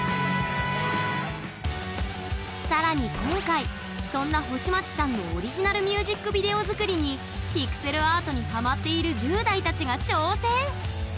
更に今回そんな星街さんのオリジナルミュージックビデオ作りにピクセルアートにハマっている１０代たちが挑戦！